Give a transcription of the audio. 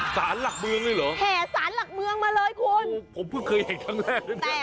ศาลหลักเมื้องนี่หรอ